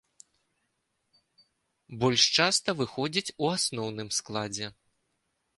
Больш часта выходзіць у асноўным складзе.